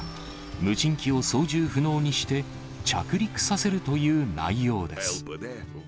無人機を操縦不能にして、着陸させるという内容です。